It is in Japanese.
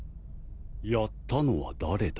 やったのは誰だ？